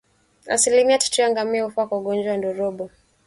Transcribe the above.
Asilimia tatu ya ngamia hufa kwa ugonjwa wa ndorobo